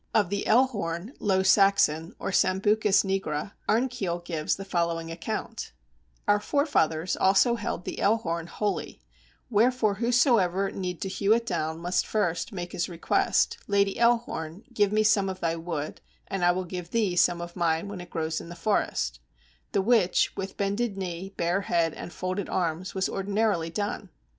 Of the Ellhorn (Low Saxon), or Sambucus nigra, Arnkiel gives the following account: "Our forefathers also held the Ellhorn holy, wherefore whosoever need to hew it down must first make his request, 'Lady Ellhorn, give me some of thy wood, and I will give thee some of mine when it grows in the forest' the which, with bended knees, bare head, and folded arms, was ordinarily done."